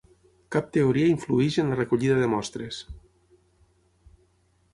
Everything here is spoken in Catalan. Cap teoria influeix en la recollida de mostres.